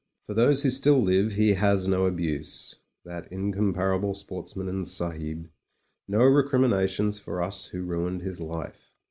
For those who still live, he has no abuse — that incom parable sportsman and sahib; no recriminations for us who ruined his life.